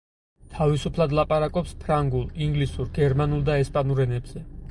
თავისუფლად ლაპარაკობს ფრანგულ, ინგლისურ, გერმანულ და ესპანურ ენებზე.